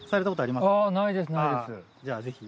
じゃあぜひ。